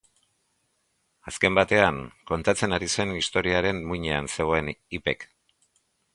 Azken batean, kontatzen ari zen historiaren muinean zegoen Ipek.